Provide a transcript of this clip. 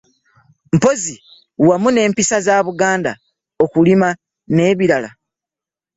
Mpozzi wamu n'empisa za Buganda, okulima n'ebirala,